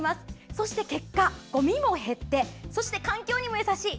そして結果、ごみも減って環境にも優しい！